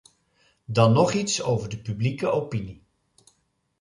Dan nog iets over de publieke opinie.